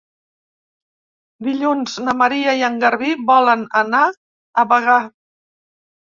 Dilluns na Maria i en Garbí volen anar a Bagà.